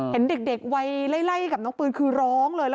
เห็นเด็กวัยไล่กับน้องปืนคือร้องเลย